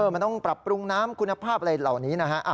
มันต้องปรับปรุงน้ำคุณภาพอะไรเหล่านี้นะฮะ